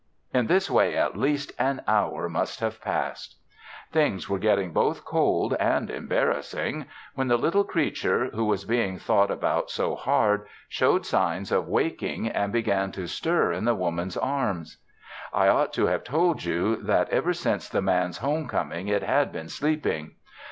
In this way at least an hour must have passed. Things were getting both cold and embarrassing, when the little creature, who was being thought about so hard, showed signs of waking and began to stir in the Woman's arms. I ought to have told you that ever since the Man's home coming it had been sleeping.